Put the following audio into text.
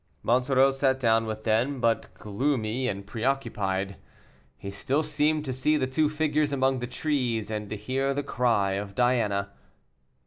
Monsoreau sat down with them, but gloomy and preoccupied. He still seemed to see the two figures among the trees, and to hear the cry of Diana.